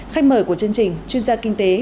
khách mời của chương trình chuyên gia kinh tế